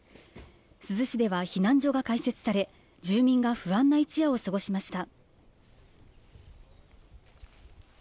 珠洲市では避難所が開設され、住民が不安な一夜を過ごしました。